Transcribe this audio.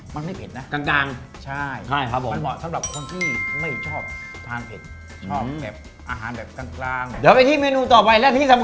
มันไม่เผ็ดนะมันเหมาะที่่า